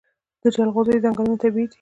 د جلغوزیو ځنګلونه طبیعي دي؟